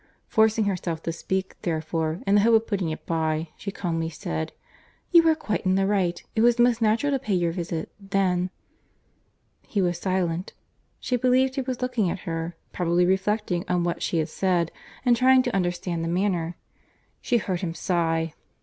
Forcing herself to speak, therefore, in the hope of putting it by, she calmly said, "You are quite in the right; it was most natural to pay your visit, then"— He was silent. She believed he was looking at her; probably reflecting on what she had said, and trying to understand the manner. She heard him sigh.